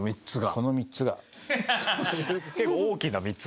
この３つが。